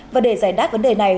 và để giải đáp vấn đề này